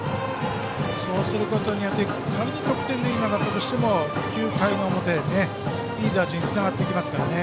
そうすることによって仮に得点できなかったとしても９回表にいい打順につながっていきますからね。